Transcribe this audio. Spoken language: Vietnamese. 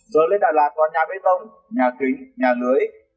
giờ lên đà lạt toàn nhà bê tông nhà kính nhà lưới